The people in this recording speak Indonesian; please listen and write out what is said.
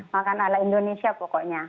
makan ala indonesia pokoknya